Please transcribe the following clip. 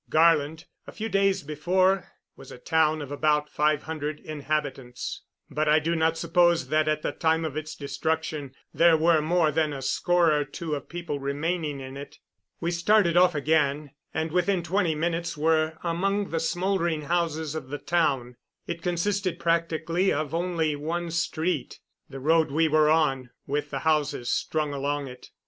Garland, a few days before, was a town of about five hundred inhabitants; but I do not suppose that, at the time of its destruction, there were more than a score or two of people remaining in it. We started off again, and within twenty minutes were among the smoldering houses of the town. It consisted practically of only one street the road we were on with the houses strung along it.